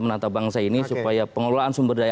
menata bangsa ini supaya pengelolaan sumber daya